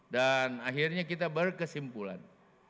dan akhirnya kita berkesimpulan